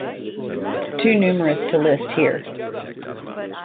Too numerous to list here.